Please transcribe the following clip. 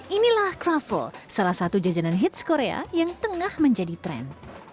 inilah kroffel salah satu jajanan hits korea yang tengah menjadi tren